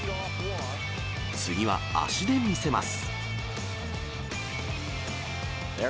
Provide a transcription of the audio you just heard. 次は足で見せます。